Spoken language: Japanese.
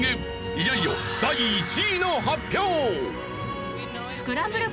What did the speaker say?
いよいよ第１位の発表！